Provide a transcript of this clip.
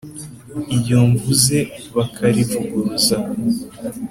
iryo mvuze bakarivuguruza